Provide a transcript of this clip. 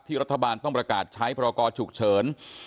รัฐบาลต้องประกาศใช้พรกรฉุกเฉิน